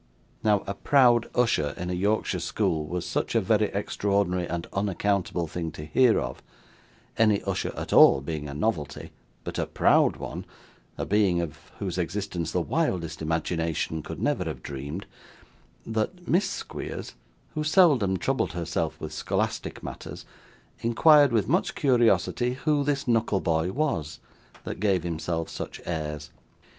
Now, a proud usher in a Yorkshire school was such a very extraordinary and unaccountable thing to hear of, any usher at all being a novelty; but a proud one, a being of whose existence the wildest imagination could never have dreamed that Miss Squeers, who seldom troubled herself with scholastic matters, inquired with much curiosity who this Knuckleboy was, that gave himself such airs.